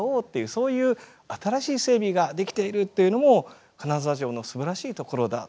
そういう新しい整備ができているっていうのも金沢城のすばらしいところだっていうふうに思います。